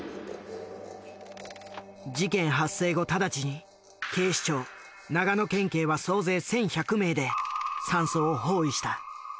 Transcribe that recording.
事件発生後直ちに警視庁長野県警は総勢１，１００名で山荘を包囲した。